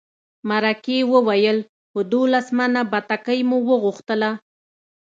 مرکې وویل په دولس منه بتکۍ مو وغوښتله.